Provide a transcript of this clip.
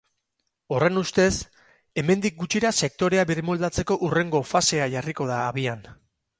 Horren ustez, hemendik gutxira sektorea birmoldatzeko hurrengo fasea jarriko da abian.